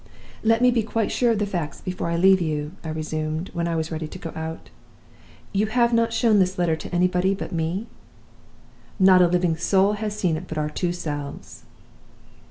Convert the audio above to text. "'Let me be quite sure of the facts before I leave you,' I resumed, when I was ready to go out. 'You have not shown this letter to anybody but me?' "'Not a living soul has seen it but our two selves.